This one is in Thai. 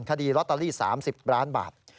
คดีลอตเตอรี่๓๐บาท